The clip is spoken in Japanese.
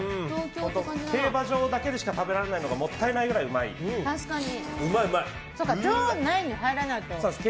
競馬場だけでしか食べられないのがもったいないぐらい、うまいです。